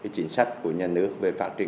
chính sách của nhà nước về phát triển